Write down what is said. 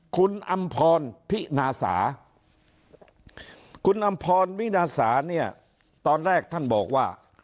คุณอำพรพินาสาคุณอำพรวินาสาเนี่ยตอนแรกท่านบอกว่า